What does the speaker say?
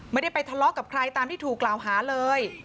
ไม่ได้ไปทะเลาะกับใครตามที่ถูกกล่าวหาเลย